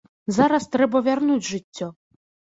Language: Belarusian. Зараз трэба вярнуць жыццё.